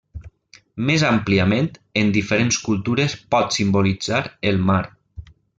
Més àmpliament, en diferents cultures pot simbolitzar el mar.